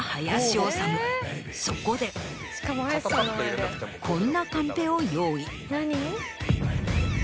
そこでこんなカンペを用意。